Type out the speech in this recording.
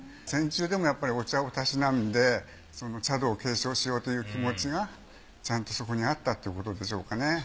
戦時中でもやっぱりお茶をたしなんで茶道を継承しようという気持ちがちゃんとそこにあったということでしょうかね。